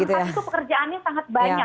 kejuangan waktu pekerjaannya sangat banyak